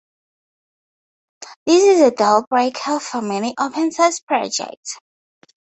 This is a dealbreaker for many open-source projects